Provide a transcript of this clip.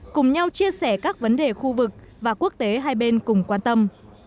cùng nhau chia sẻ các vấn đề khu vực và quốc tế hai bên cùng quan tâm